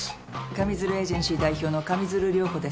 上水流エージェンシー代表の上水流涼子です。